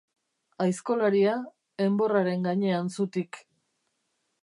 Aizkolaria, enborraren gainean zutik.